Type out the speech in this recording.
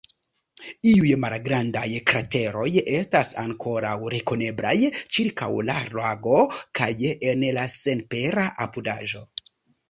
Iuj malgrandaj krateroj estas ankoraŭ rekoneblaj ĉirkaŭ la lago kaj en la senpera apudaĵo.